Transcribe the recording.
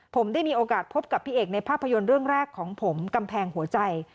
ผมได้มีโอกาสพบกับพี่เอกในภาพยนตร์เรื่องแรกของผมกำแพงหัวใจ